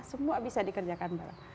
semua bisa dikerjakan bareng